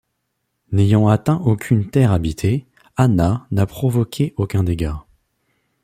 N'ayant atteint aucune terre habitée, Ana n'a provoqué aucun dégât.